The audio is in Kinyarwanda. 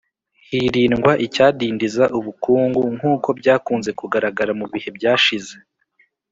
hirindwa icyadindiza ubukungu nk'uko byakunze kugaragara mu bihe byashize.